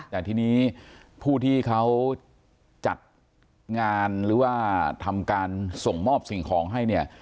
แต่ทีนี้ผู้ที่เขาจัดงานหรือว่าทำการส่งมอบสิ่งของให้เนี่ย